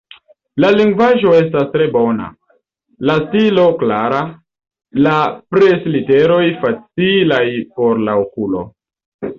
La lingvaĵo estas tre bona, la stilo klara, la presliteroj facilaj por la okulo.